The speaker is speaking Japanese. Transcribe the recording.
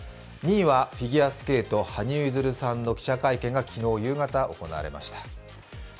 ２位はフィギュアスケート、羽生結弦さんの記者会見が昨日夕方行われました。